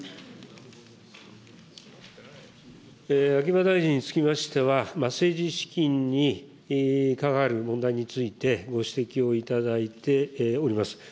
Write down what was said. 秋葉大臣につきましては、政治資金に関わる問題について、ご指摘をいただいております。